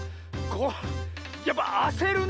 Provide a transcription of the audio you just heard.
これやっぱあせるね